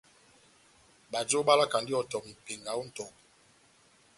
Bajo balakandi ihɔtɔ mepenga ó nʼtɔbu.